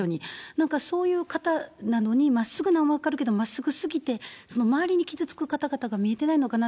なんかそういう方なのに、まっすぐなのは分かるけど、まっすぐすぎて、周りに傷つく方々が見えてないのかな